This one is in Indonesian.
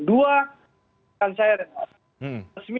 dua kan saya dengar